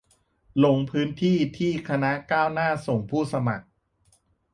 ลงพื้นที่ที่คณะก้าวหน้าส่งผู้สมัคร